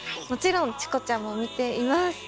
もちろん「チコちゃん」も見ています。